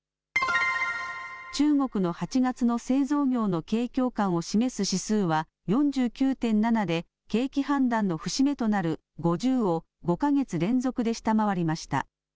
中国の８月の製造業の景況感を示す指数は４９．７で景気判断の節目となる５０を５か月連続で下回りました。